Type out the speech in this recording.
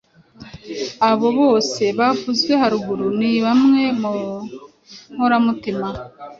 Abo bose bavuzwe haruguru ni bamwe mu nkoramutima